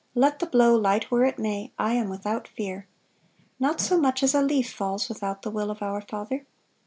Let the blow light where it may, I am without fear. Not so much as a leaf falls, without the will of our Father.